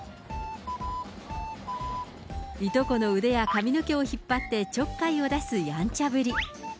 いとこの髪や腕を引っ張ってちょっかいを出すやんちゃぶり。